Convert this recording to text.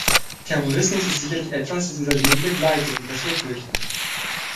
Terrorismus ist sicherlich etwas, das unser Leben begleitet und das wir fürchten.